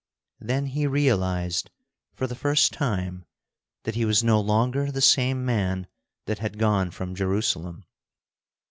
Then he realized for the first time that he was no longer the same man that had gone from Jerusalem.